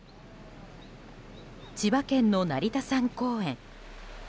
千葉県の成田山公園。